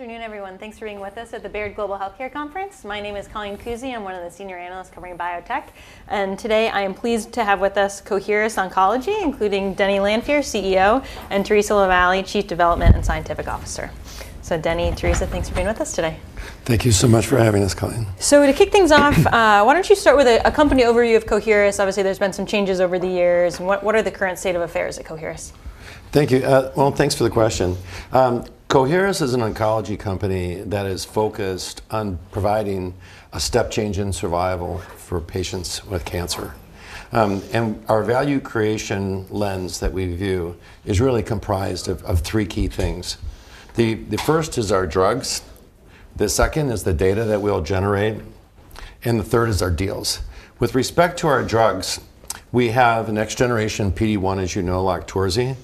Afternoon, everyone. Thanks for being with us at the Baird Global Health Care Conference. My name is Colleen Coosey. I'm one of the Senior Analysts covering biotech. Today, I am pleased to have with us Coherus Oncology, including Denny Lanfear, CEO, and Theresa Lavallee, Chief Development and Scientific Officer. Denny, Theresa, thanks for being with us today. Thank you so much for having us, Colleen. To kick things off, why don't you start with a company overview of Coherus BioSciences? Obviously, there's been some changes over the years. What are the current state of affairs at Coherus BioSciences? Thank you. Thank you for the question. Coherus is an oncology company that is focused on providing a step change in survival for patients with cancer. Our value creation lens that we view is really comprised of three key things. The first is our drugs. The second is the data that we'll generate. The third is our deals. With respect to our drugs, we have the next-generation PD-1, as you know, LOQTORZI,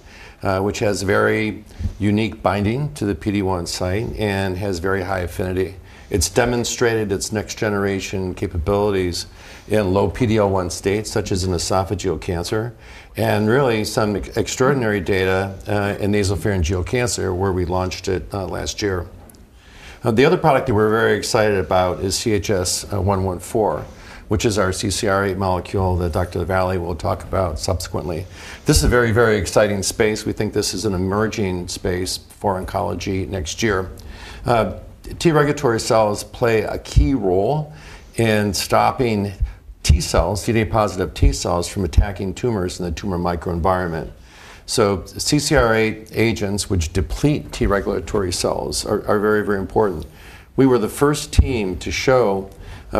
which has a very unique binding to the PD-1 site and has very high affinity. It's demonstrated its next-generation capabilities in low PD-L1 states, such as in esophageal cancer, and really some extraordinary data in nasopharyngeal cancer where we launched it last year. The other product that we're very excited about is CHS-114, which is our CCR8 molecule that Dr. Lavallee will talk about subsequently. This is a very, very exciting space. We think this is an emerging space for oncology next year. T-regulatory cells play a key role in stopping T cells, CD8-positive T cells, from attacking tumors in the tumor microenvironment. CCR8 agents, which deplete T-regulatory cells, are very, very important. We were the first team to show,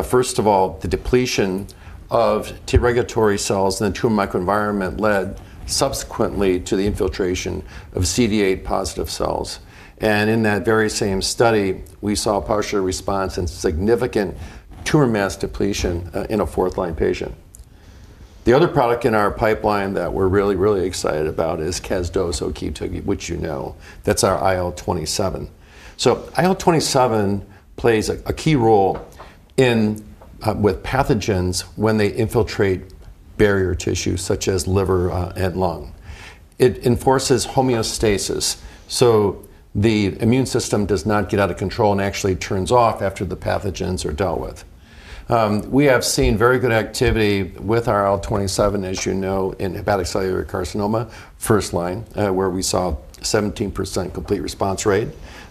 first of all, the depletion of T-regulatory cells in the tumor microenvironment led subsequently to the infiltration of CD8-positive cells. In that very same study, we saw partial response and significant tumor mass depletion in a fourth-line patient. The other product in our pipeline that we're really, really excited about is KEZDOSE, which you know. That's our IL-27. IL-27 plays a key role with pathogens when they infiltrate barrier tissue, such as liver and lung. It enforces homeostasis, so the immune system does not get out of control and actually turns off after the pathogens are dealt with. We have seen very good activity with IL-27, as you know, in hepatocellular carcinoma, first line, where we saw a 17% complete response rate,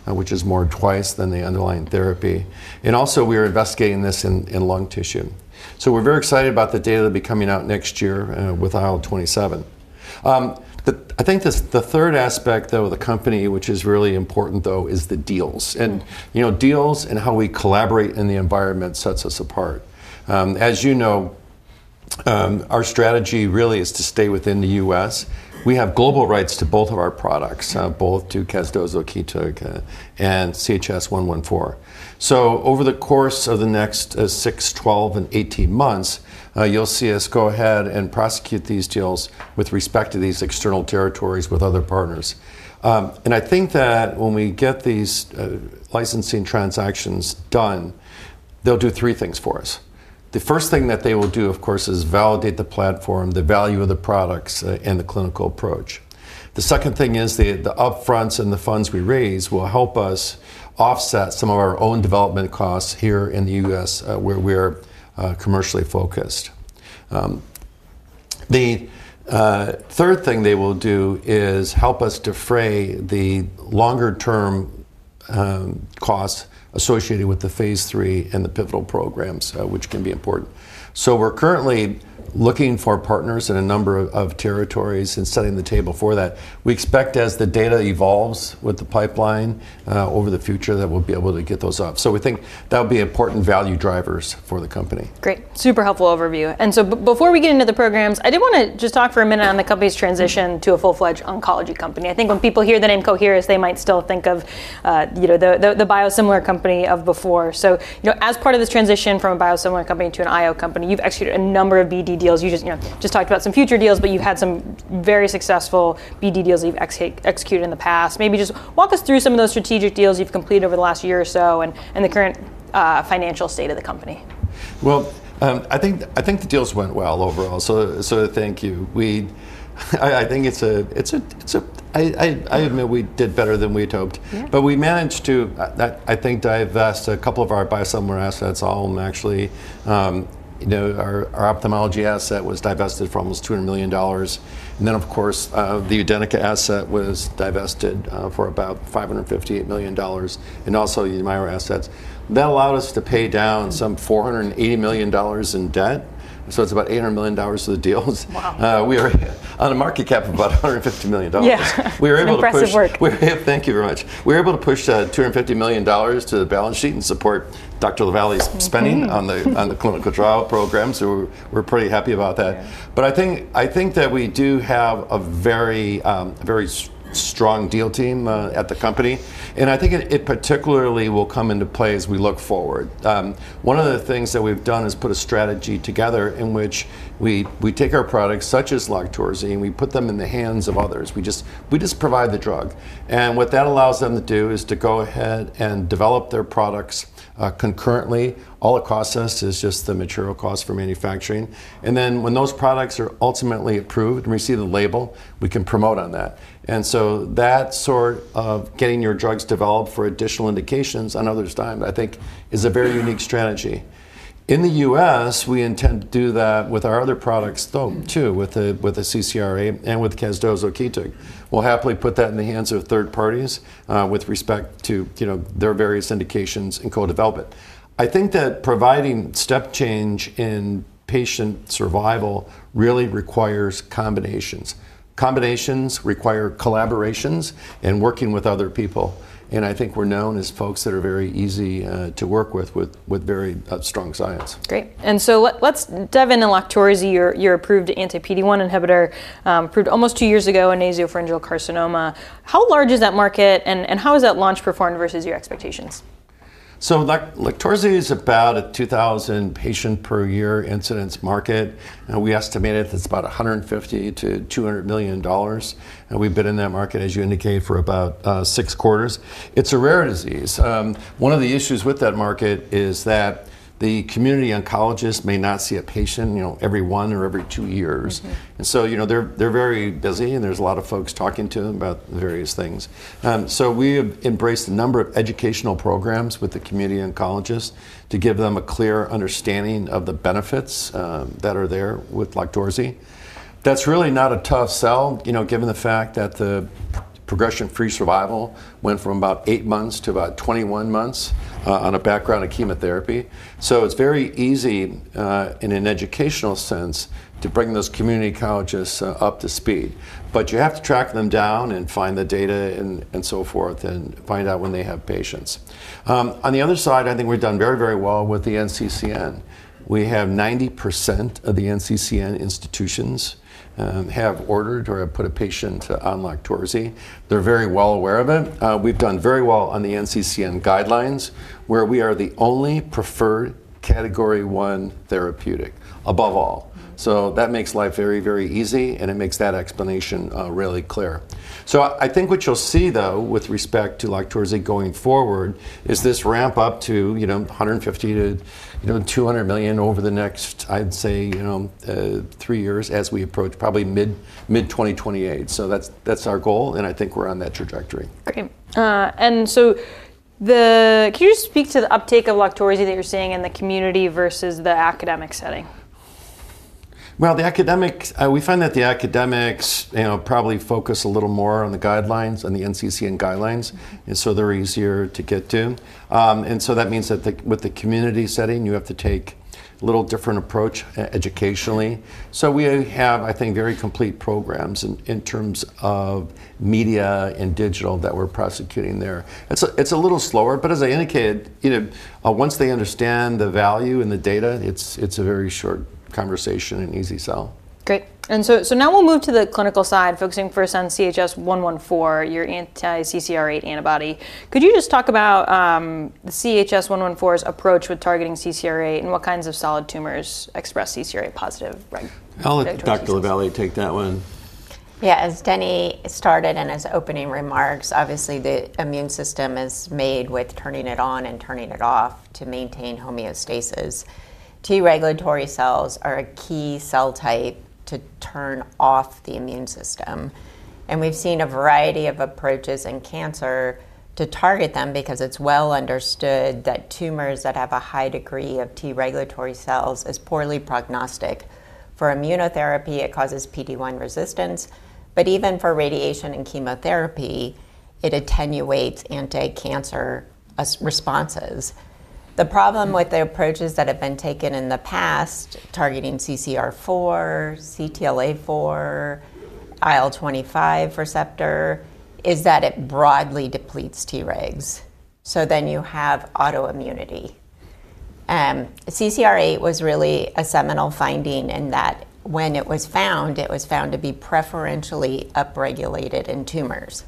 which is more than twice the underlying therapy. Also, we are investigating this in lung tissue. We're very excited about the data that will be coming out next year with IL-27. I think the third aspect of the company, which is really important, is the deals. Deals and how we collaborate in the environment sets us apart. As you know, our strategy really is to stay within the U.S. We have global rights to both of our products, both to KEZDOSE and CHS-114. Over the course of the next 6, 12, and 18 months, you'll see us go ahead and prosecute these deals with respect to these external territories with other partners. I think that when we get these licensing transactions done, they'll do three things for us. The first thing that they will do, of course, is validate the platform, the value of the products, and the clinical approach. The second thing is the upfronts and the funds we raise will help us offset some of our own development costs here in the U.S., where we're commercially focused. The third thing they will do is help us defray the longer-term costs associated with the phase three and the pivotal programs, which can be important. We're currently looking for partners in a number of territories and setting the table for that. We expect, as the data evolves with the pipeline over the future, that we'll be able to get those off. We think that'll be important value drivers for the company. Great. Super helpful overview. Before we get into the programs, I did want to just talk for a minute on the company's transition to a full-fledged oncology company. I think when people hear the name Coherus, they might still think of the biosimilar company of before. As part of this transition from a biosimilar company to an IO company, you've executed a number of BD deals. You just talked about some future deals, but you've had some very successful BD deals that you've executed in the past. Maybe just walk us through some of those strategic deals you've completed over the last year or so and the current financial state of the company. I think the deals went well overall. Thank you. I think it's a I admit we did better than we'd hoped. We managed to, I think, divest a couple of our biosimilar assets, all of them, actually. Our ophthalmology asset was divested for almost $200 million. Of course, the eudynica asset was divested for about $558 million, and also the IMIRA assets. That allowed us to pay down some $480 million in debt. It's about $800 million of the deals. Wow. We are on a market capitalization of about $150 million. Yeah, impressive work. Thank you very much. We were able to push $250 million to the balance sheet and support Dr. Lavallee's spending on the clinical trial program. We're pretty happy about that. I think that we do have a very strong deal team at the company. I think it particularly will come into play as we look forward. One of the things that we've done is put a strategy together in which we take our products, such as LOQTORZI, and we put them in the hands of others. We just provide the drug. What that allows them to do is to go ahead and develop their products concurrently all across us. It's just the material cost for manufacturing. When those products are ultimately approved and we see the label, we can promote on that. That sort of getting your drugs developed for additional indications on others' time, I think, is a very unique strategy. In the U.S., we intend to do that with our other products, though, too, with the CCR8 and with KEZDOSE, CHS-114. We'll happily put that in the hands of third parties with respect to their various indications and co-development. I think that providing step change in patient survival really requires combinations. Combinations require collaborations and working with other people. I think we're known as folks that are very easy to work with, with very strong science. Great. Let's dive into LOQTORZI, your approved anti-PD-1 inhibitor, approved almost two years ago in nasopharyngeal carcinoma. How large is that market? How has that launch performed versus your expectations? LOQTORZI is about a 2,000-patient-per-year incidence market. We estimate it's about $150 to $200 million. We've been in that market, as you indicate, for about six quarters. It's a rare disease. One of the issues with that market is that the community oncologists may not see a patient every one or every two years. They're very busy, and there's a lot of folks talking to them about various things. We have embraced a number of educational programs with the community oncologists to give them a clear understanding of the benefits that are there with LOQTORZI. That's really not a tough sell, given the fact that the progression-free survival went from about 8 months to about 21 months on a background of chemotherapy. It's very easy, in an educational sense, to bring those community oncologists up to speed. You have to track them down and find the data and so forth and find out when they have patients. On the other side, I think we've done very, very well with the NCCN. We have 90% of the NCCN institutions that have ordered or have put a patient on LOQTORZI. They're very well aware of it. We've done very well on the NCCN guidelines, where we are the only preferred category 1 therapeutic above all. That makes life very, very easy, and it makes that explanation really clear. I think what you'll see, though, with respect to LOQTORZI going forward is this ramp up to $150 to $200 million over the next, I'd say, three years, as we approach probably mid-2028. That's our goal, and I think we're on that trajectory. Great. Can you just speak to the uptake of LOQTORZI that you're seeing in the community versus the academic setting? We find that the academics probably focus a little more on the guidelines and the NCCN guidelines, and so they're easier to get to. That means that with the community setting, you have to take a little different approach educationally. We have, I think, very complete programs in terms of media and digital that we're prosecuting there. It's a little slower, but as I indicated, once they understand the value and the data, it's a very short conversation and easy sell. Great. Now we'll move to the clinical side, focusing first on CHS-114, your anti-CCR8 antibody. Could you just talk about CHS-114's approach with targeting CCR8 and what kinds of solid tumors express CCR8 positive? I'll let Dr. Lavallee take that one. Yeah. As Denny Lanfear started in his opening remarks, obviously, the immune system is made with turning it on and turning it off to maintain homeostasis. T-regulatory cells are a key cell type to turn off the immune system. We've seen a variety of approaches in cancer to target them because it's well understood that tumors that have a high degree of T-regulatory cells are poorly prognostic. For immunotherapy, it causes PD-1 resistance. Even for radiation and chemotherapy, it attenuates anti-cancer responses. The problem with the approaches that have been taken in the past, targeting CCR4, CTLA4, IL-25 receptor, is that it broadly depletes T-regs, so then you have autoimmunity. CCR8 was really a seminal finding in that when it was found, it was found to be preferentially upregulated in tumors,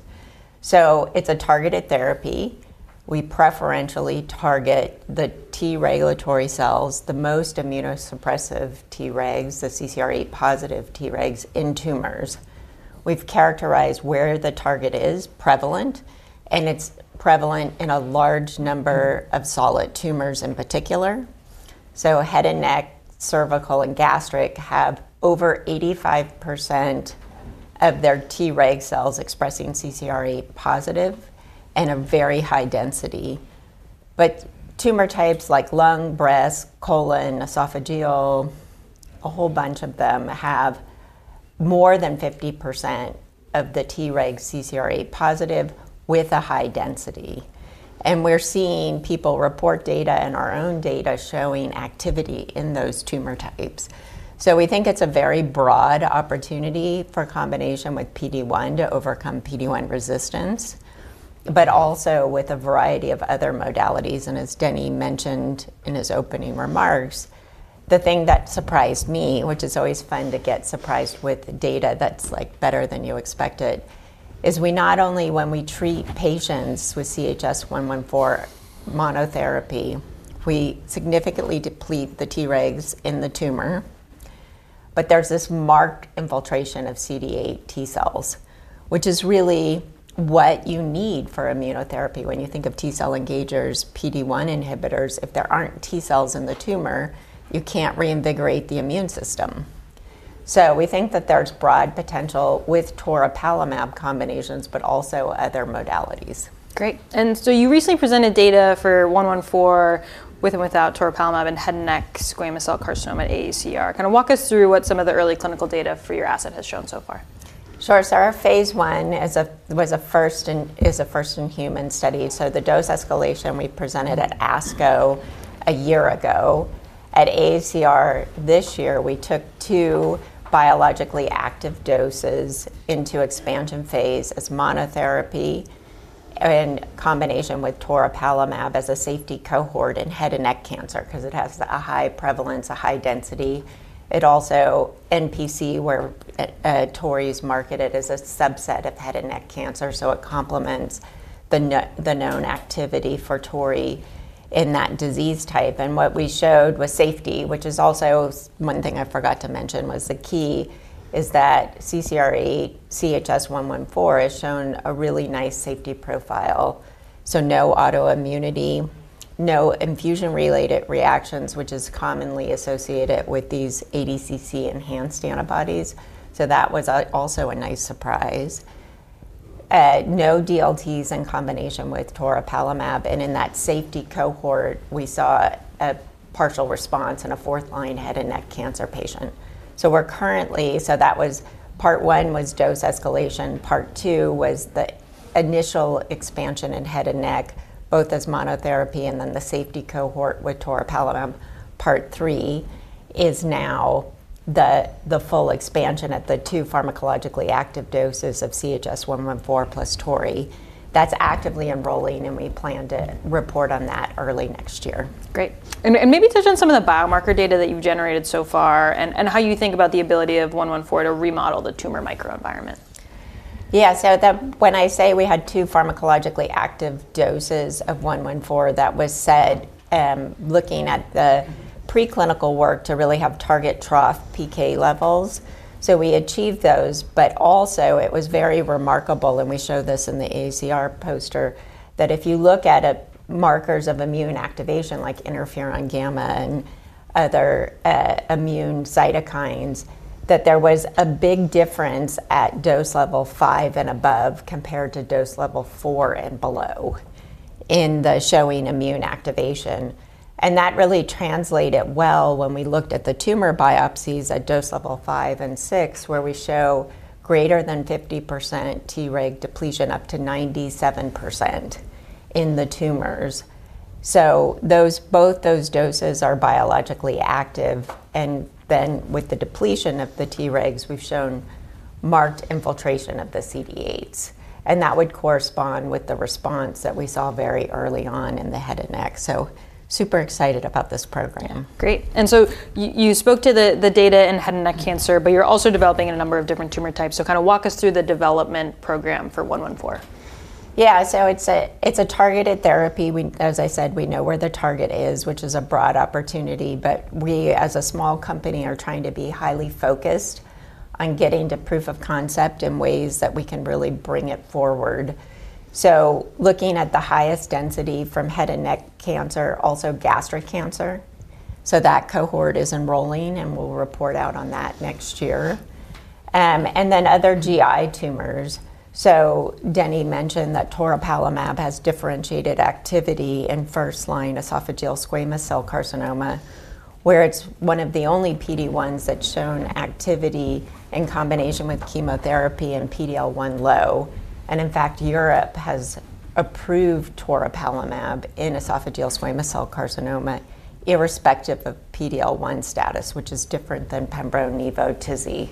so it's a targeted therapy. We preferentially target the T-regulatory cells, the most immunosuppressive T-regs, the CCR8-positive T-regs in tumors. We've characterized where the target is prevalent, and it's prevalent in a large number of solid tumors in particular. Head and neck, cervical, and gastric have over 85% of their T-reg cells expressing CCR8 positive and a very high density. Tumor types like lung, breast, colon, esophageal, a whole bunch of them have more than 50% of the T-reg CCR8 positive with a high density. We're seeing people report data and our own data showing activity in those tumor types. We think it's a very broad opportunity for combination with PD-1 to overcome PD-1 resistance, also with a variety of other modalities. As Denny Lanfear mentioned in his opening remarks, the thing that surprised me, which is always fun to get surprised with data that's better than you expected, is we not only, when we treat patients with CHS-114 monotherapy, we significantly deplete the T-regs in the tumor, but there's this marked infiltration of CD8 T cells, which is really what you need for immunotherapy when you think of T-cell engagers, PD-1 inhibitors. If there aren't T cells in the tumor, you can't reinvigorate the immune system. We think that there's broad potential with LOQTORZI combinations, also other modalities. Great. You recently presented data for CHS-114 with and without LOQTORZI in head and neck squamous cell carcinoma at AACR. Kind of walk us through what some of the early clinical data for your asset has shown so far. Sure. Our phase one was a first-in-human study. The dose escalation we presented at ASCO a year ago. At AACR this year, we took two biologically active doses into expansion phase as monotherapy and in combination with LOQTORZI as a safety cohort in head and neck cancer because it has a high prevalence, a high density. It also includes nasopharyngeal carcinoma, where LOQTORZI is marketed as a subset of head and neck cancer. It complements the known activity for LOQTORZI in that disease type. What we showed was safety, which is also one thing I forgot to mention. The key is that CCR8, CHS-114, has shown a really nice safety profile. No autoimmunity, no infusion-related reactions, which is commonly associated with these ADCC enhanced antibodies. That was also a nice surprise. No DLTs in combination with LOQTORZI. In that safety cohort, we saw a partial response in a fourth-line head and neck cancer patient. That was part one, which was dose escalation. Part two was the initial expansion in head and neck, both as monotherapy and then the safety cohort with LOQTORZI. Part three is now the full expansion at the two pharmacologically active doses of CHS-114 plus LOQTORZI. That's actively enrolling. We plan to report on that early next year. Great. Maybe touch on some of the biomarker data that you've generated so far and how you think about the ability of CHS-114 to remodel the tumor microenvironment. Yeah. When I say we had two pharmacologically active doses of CHS-114, that was said looking at the preclinical work to really have target trough PK levels. We achieved those. It was very remarkable, and we showed this in the AACR poster, that if you look at markers of immune activation, like interferon gamma and other immune cytokines, there was a big difference at dose level 5 and above compared to dose level 4 and below in showing immune activation. That really translated well when we looked at the tumor biopsies at dose level 5 and 6, where we show greater than 50% T-reg depletion up to 97% in the tumors. Both those doses are biologically active. With the depletion of the T-regs, we've shown marked infiltration of the CD8s. That would correspond with the response that we saw very early on in the head and neck. Super excited about this program. Great. You spoke to the data in head and neck cancer, but you're also developing in a number of different tumor types. Please walk us through the development program for CHS-114. Yeah. It's a targeted therapy. As I said, we know where the target is, which is a broad opportunity. We, as a small company, are trying to be highly focused on getting to proof of concept in ways that we can really bring it forward. Looking at the highest density from head and neck cancer, also gastric cancer, that cohort is enrolling. We'll report out on that next year, and then other GI tumors. Denny mentioned that toripalimab has differentiated activity in first-line esophageal squamous cell carcinoma, where it's one of the only PD-1s that's shown activity in combination with chemotherapy and PD-L1 low. In fact, Europe has approved toripalimab in esophageal squamous cell carcinoma, irrespective of PD-L1 status, which is different than pembrolizumab, Tizi.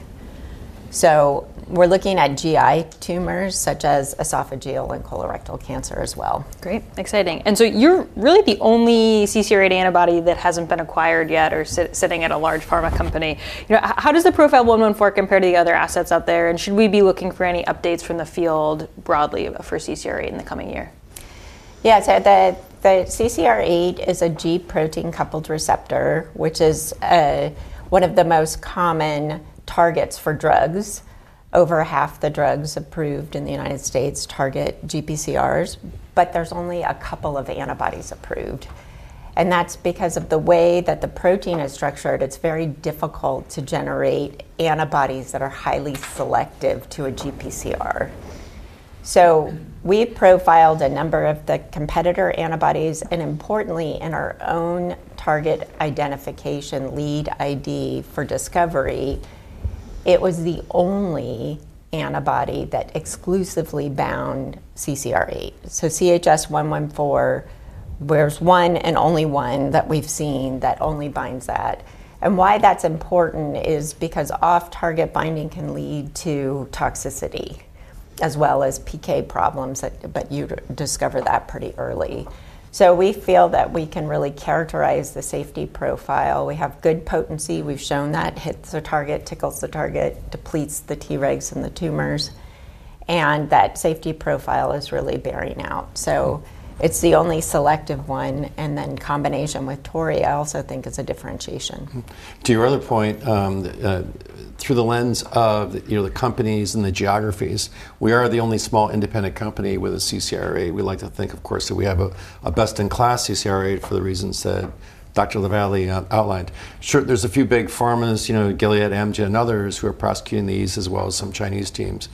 We're looking at GI tumors, such as esophageal and colorectal cancer as well. Great. Exciting. You're really the only CCR8 antibody that hasn't been acquired yet or is sitting at a large pharma company. How does the profile of CHS-114 compare to the other assets out there? Should we be looking for any updates from the field broadly for CCR8 in the coming year? Yeah. The CCR8 is a G-protein coupled receptor, which is one of the most common targets for drugs. Over half the drugs approved in the U.S. target GPCRs. There are only a couple of antibodies approved, and that's because of the way that the protein is structured. It's very difficult to generate antibodies that are highly selective to a GPCR. We've profiled a number of the competitor antibodies. Importantly, in our own target identification lead ID for discovery, it was the only antibody that exclusively bound CCR8. CHS-114 was one and only one that we've seen that only binds that. Why that's important is because off-target binding can lead to toxicity, as well as PK problems. You discover that pretty early. We feel that we can really characterize the safety profile. We have good potency. We've shown that hits the target, tickles the target, depletes the T-regs in the tumors, and that safety profile is really bearing out. It's the only selective one. In combination with LOQTORZI, I also think is a differentiation. To your other point, through the lens of the companies and the geographies, we are the only small independent company with a CCR8. We like to think, of course, that we have a best-in-class CCR8 for the reasons that Dr. Lavallee outlined. There are a few big pharmas, Gilead, Amgen, and others who are prosecuting these, as well as some Chinese teams.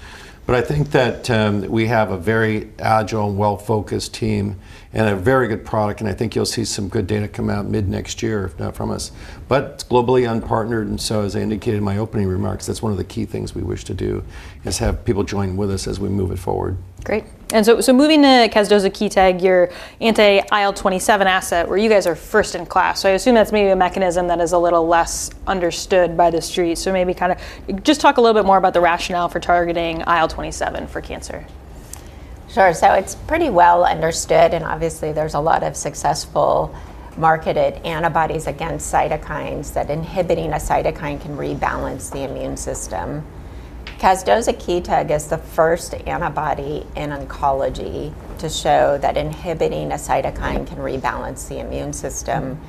I think that we have a very agile and well-focused team and a very good product. I think you'll see some good data come out mid-next year, if not from us. It's globally unpartnered. As I indicated in my opening remarks, that's one of the key things we wish to do is have people join with us as we move it forward. Great. Moving to KEZDOSE, your anti-IL-27 asset, where you guys are first-in-class. I assume that's maybe a mechanism that is a little less understood by the street. Maybe just talk a little bit more about the rationale for targeting IL-27 for cancer. Sure. It's pretty well understood. Obviously, there's a lot of successful marketed antibodies against cytokines that inhibiting a cytokine can rebalance the immune system. KEZDOSE, a key tag, is the first antibody in oncology to show that inhibiting a cytokine can rebalance the immune system.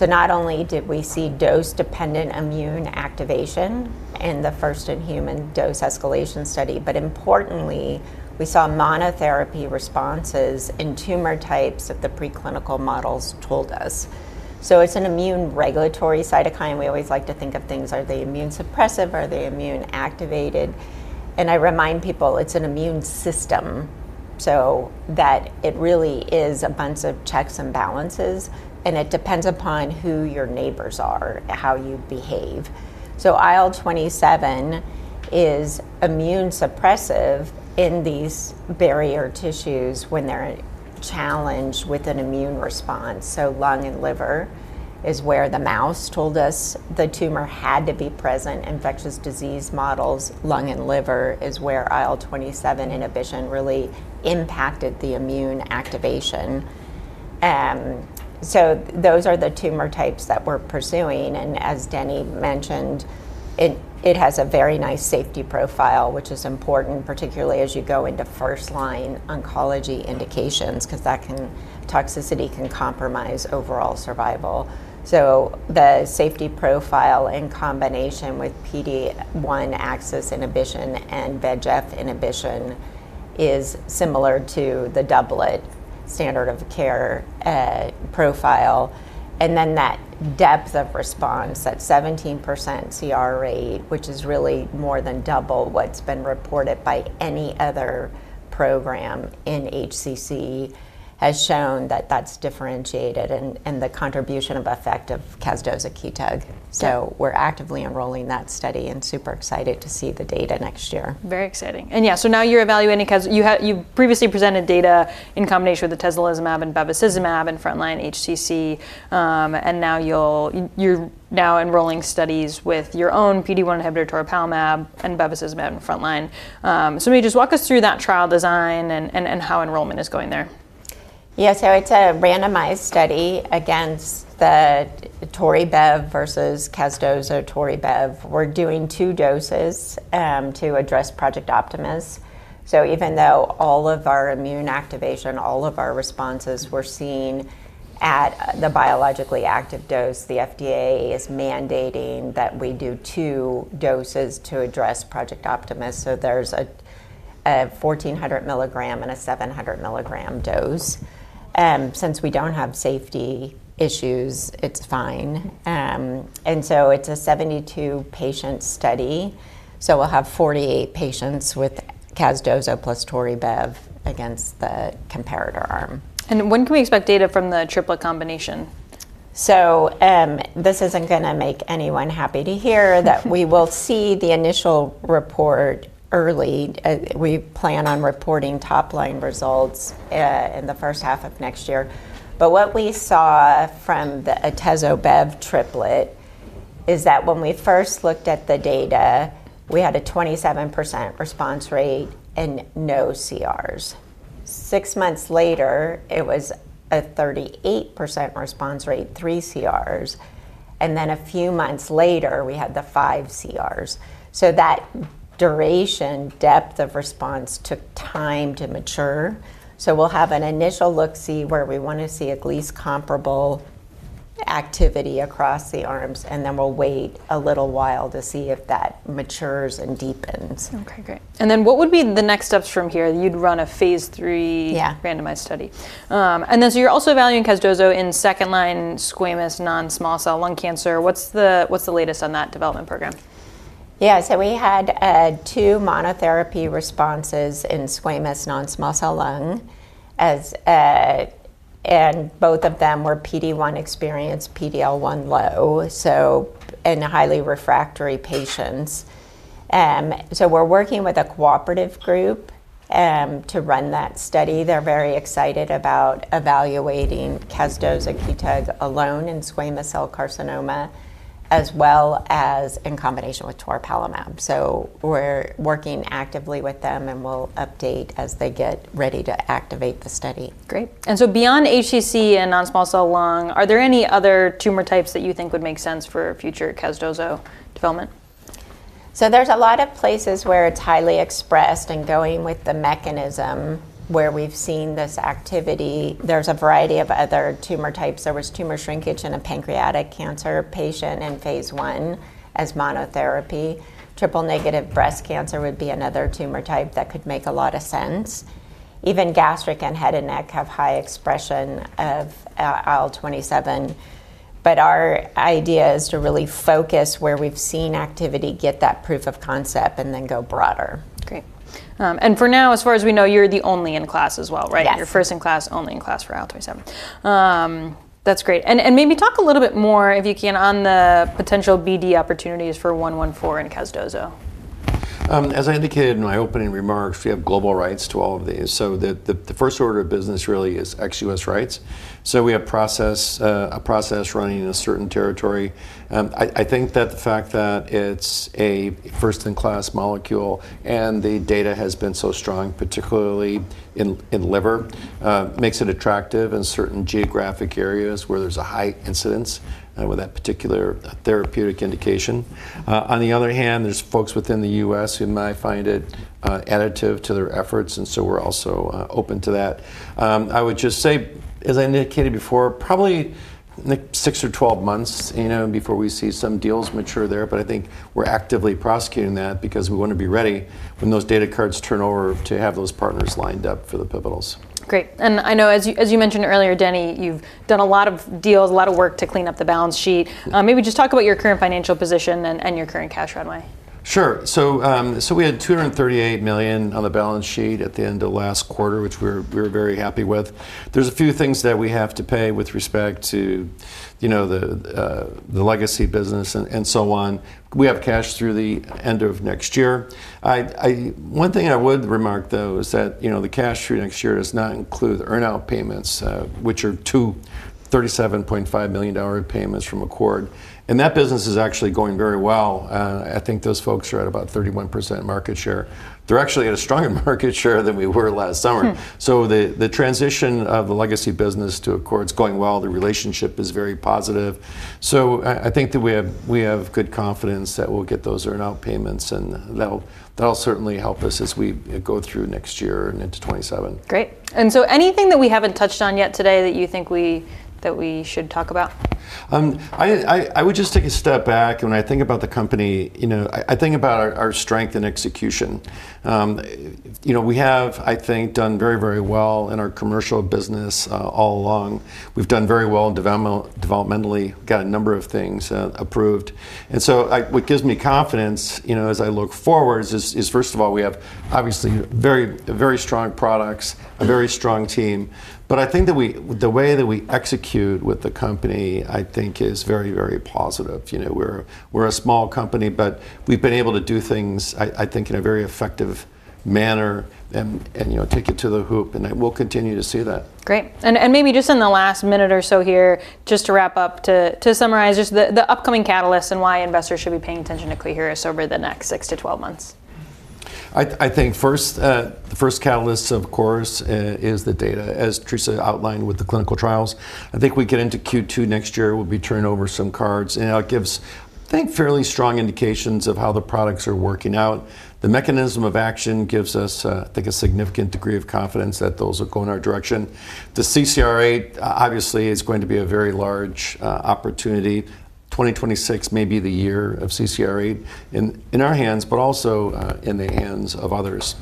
Not only did we see dose-dependent immune activation in the first-in-human dose escalation study, but importantly, we saw monotherapy responses in tumor types that the preclinical models told us. It's an immune regulatory cytokine. We always like to think of things, are they immune suppressive? Are they immune activated? I remind people, it's an immune system. It really is a bunch of checks and balances. It depends upon who your neighbors are, how you behave. IL-27 is immune suppressive in these barrier tissues when they're challenged with an immune response. Lung and liver is where the mouse told us the tumor had to be present. Infectious disease models, lung and liver is where IL-27 inhibition really impacted the immune activation. Those are the tumor types that we're pursuing. As Denny mentioned, it has a very nice safety profile, which is important, particularly as you go into first-line oncology indications because toxicity can compromise overall survival. The safety profile in combination with PD-1 axis inhibition and VEGF inhibition is similar to the doublet standard of care profile. That depth of response, that 17% CR rate, which is really more than double what's been reported by any other program in HCC, has shown that that's differentiated in the contribution of effect of KEZDOSE, a key tag. We're actively enrolling that study and super excited to see the data next year. Very exciting. Yeah, now you're evaluating because you previously presented data in combination with atezolizumab and bevacizumab in frontline HCC. Now you're enrolling studies with your own PD-1 inhibitor, LOQTORZI, and bevacizumab in frontline. Maybe just walk us through that trial design and how enrollment is going there. Yeah. It's a randomized study against the Tori Bev versus KEZDOSE, Tori Bev. We're doing two doses to address Project Optimus. Even though all of our immune activation, all of our responses were seen at the biologically active dose, the FDA is mandating that we do two doses to address Project Optimus. There's a 1,400 milligram and a 700 milligram dose. Since we don't have safety issues, it's fine. It's a 72-patient study. We'll have 48 patients with KEZDOSE plus Tori Bev against the comparator arm. When can we expect data from the triple combination? This isn't going to make anyone happy to hear that we will see the initial report early. We plan on reporting top-line results in the first half of next year. What we saw from the atezobev triplet is that when we first looked at the data, we had a 27% response rate and no CRs. Six months later, it was a 38% response rate, three CRs. A few months later, we had the five CRs. That duration and depth of response took time to mature. We'll have an initial look-see where we want to see at least comparable activity across the arms, and then we'll wait a little while to see if that matures and deepens. OK, great. What would be the next steps from here? You'd run a phase 3 randomized study. You're also evaluating KEZDOSE in second-line squamous non-small cell lung cancer. What's the latest on that development program? Yeah. We had two monotherapy responses in squamous non-small cell lung. Both of them were PD-1 experienced, PD-L1 low, in highly refractory patients. We're working with a cooperative group to run that study. They're very excited about evaluating KEZDOSE, a key tag alone in squamous cell carcinoma, as well as in combination with toripalimab. We're working actively with them, and we'll update as they get ready to activate the study. Great. Beyond hepatocellular carcinoma and non-small cell lung cancer, are there any other tumor types that you think would make sense for future KEZDOSE development? There are a lot of places where it's highly expressed. Going with the mechanism where we've seen this activity, there's a variety of other tumor types. There was tumor shrinkage in a pancreatic cancer patient in phase one as monotherapy. Triple-negative breast cancer would be another tumor type that could make a lot of sense. Even gastric and head and neck have high expression of IL-27. Our idea is to really focus where we've seen activity, get that proof of concept, and then go broader. Great. For now, as far as we know, you're the only in class as well, right? You're first in class, only in class for IL-27. That's great. Maybe talk a little bit more, if you can, on the potential BD opportunities for CHS-114 and KEZDOSE. As I indicated in my opening remarks, we have global rights to all of these. The first order of business really is to execute which rights. We have a process running in a certain territory. I think that the fact that it's a first-in-class molecule and the data has been so strong, particularly in liver, makes it attractive in certain geographic areas where there's a high incidence with that particular therapeutic indication. On the other hand, there are folks within the U.S. who might find it additive to their efforts. We're also open to that. I would just say, as I indicated before, probably in the 6 or 12 months before we see some deals mature there. I think we're actively prosecuting that because we want to be ready when those data cards turn over to have those partners lined up for the pivotals. Great. I know, as you mentioned earlier, Denny, you've done a lot of deals, a lot of work to clean up the balance sheet. Maybe just talk about your current financial position and your current cash runway. Sure. We had $238 million on the balance sheet at the end of last quarter, which we were very happy with. There are a few things that we have to pay with respect to the legacy business and so on. We have cash through the end of next year. One thing I would remark, though, is that the cash through next year does not include earnout payments, which are two $37.5 million payments from Accord. That business is actually going very well. I think those folks are at about 31% market share. They're actually at a stronger market share than we were last summer. The transition of the legacy business to Accord is going well. The relationship is very positive. I think that we have good confidence that we'll get those earnout payments. That'll certainly help us as we go through next year and into 2027. Great. Is there anything that we haven't touched on yet today that you think we should talk about? I would just take a step back. When I think about the company, I think about our strength in execution. We have, I think, done very, very well in our commercial business all along. We've done very well developmentally. We've got a number of things approved. What gives me confidence as I look forward is, first of all, we have obviously very, very strong products, a very strong team. I think the way that we execute with the company is very, very positive. We're a small company, but we've been able to do things, I think, in a very effective manner and take it to the hoop. We'll continue to see that. Great. Maybe just in the last minute or so here, just to wrap up, to summarize, just the upcoming catalysts and why investors should be paying attention to Coherus over the next 6 to 12 months? I think first, the first catalyst, of course, is the data, as Theresa outlined with the clinical trials. I think we get into Q2 next year, we'll be turning over some cards. It gives, I think, fairly strong indications of how the products are working out. The mechanism of action gives us, I think, a significant degree of confidence that those will go in our direction. The CCR8, obviously, is going to be a very large opportunity. 2026 may be the year of CCR8 in our hands, but also in the hands of others.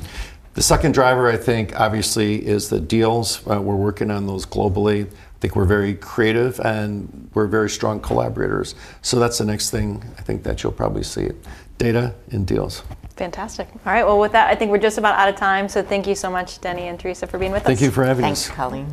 The second driver, I think, obviously, is the deals. We're working on those globally. I think we're very creative, and we're very strong collaborators. That's the next thing, I think, that you'll probably see: data and deals. Fantastic. All right. I think we're just about out of time. Thank you so much, Denny and Theresa, for being with us. Thank you for having us. Thanks, Colleen.